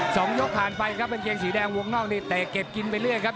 สองยกผ่านไปครับกางเกงสีแดงวงนอกนี่เตะเก็บกินไปเรื่อยครับ